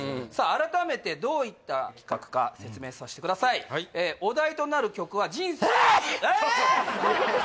改めてどういった企画か説明させてくださいお題となる曲は人生・えっ！？